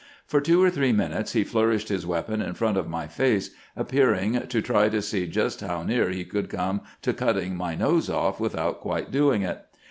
For two or three min utes he flourished his weapon in front of my face, ap pearing to try to see just how near he could come to cutting my nose off without quite doing it.